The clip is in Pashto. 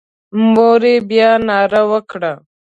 مور یې بیا ناره وکړه.